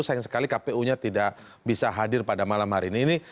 sayang sekali kpu nya tidak bisa hadir pada malam hari ini